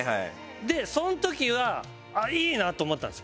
でその時はいいなと思ったんですよ。